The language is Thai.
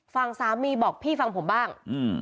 ฝั่งสามีบอกพี่ฟังผมบ้าง